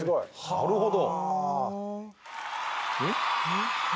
なるほど。